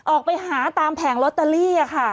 ออกไปหาตามแผงลอตเตอรี่ค่ะ